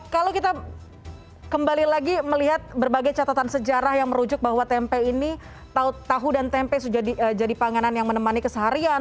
kalau kita kembali lagi melihat berbagai catatan sejarah yang merujuk bahwa tempe ini tahu dan tempe sudah jadi panganan yang menemani keseharian